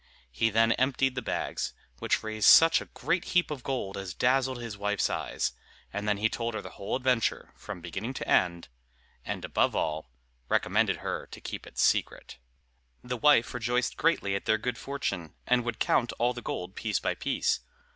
He then emptied the bags, which raised such a great heap of gold as dazzled his wife's eyes, and then he told her the whole adventure from beginning to end, and, above all, recommended her to keep it secret. The wife rejoiced greatly at their good fortune, and would count all the gold piece by piece.